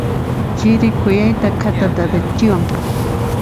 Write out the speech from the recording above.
Chiri khuyayta khatatachiwan.